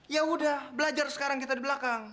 yaudah belajar sekarang kita di belakang